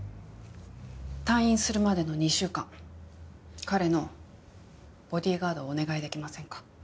退院するまでの２週間彼のボディーガードをお願いできませんか？